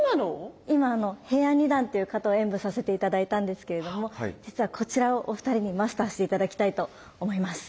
今平安二段という形を演武させて頂いたんですけれども実はこちらをお二人にマスターして頂きたいと思います。